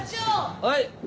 はい。